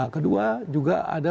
kedua juga ada